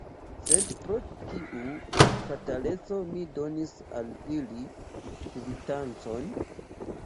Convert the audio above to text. Sed pro kiu fataleco mi donis al ili kvitancon?